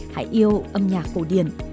hãy yêu âm nhạc cổ điển